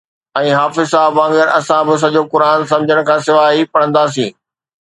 ۽ حافظ صاحب وانگر اسان به سڄو قرآن سمجھڻ کان سواءِ ئي پڙهنداسين